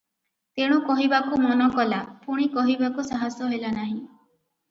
ତେଣୁ କହିବାକୁ ମନ କଲା- ପୁଣି କହିବାକୁ ସାହସ ହେଲା ନାହିଁ ।